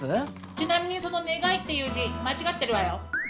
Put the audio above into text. ちなみにその「願」っていう字間違ってるわよ。